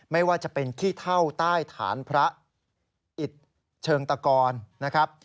ไม่ว่าจะเป็นขี้เท่าใต้ฐานพระอิตเชิงตะกรนะครับ